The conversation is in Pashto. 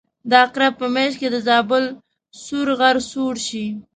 د عقرب په میاشت کې د زابل سور غر سوړ شي.